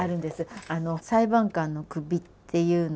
「裁判官のくび」っていう